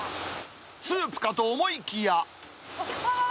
スープかと思いきや。